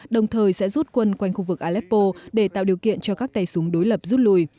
đồng thời sẽ rút quân quanh khu vực aleppo để tạo điều kiện cho các tay súng đối lập rút lùi